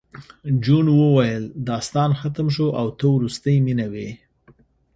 جون وویل داستان ختم شو او ته وروستۍ مینه وې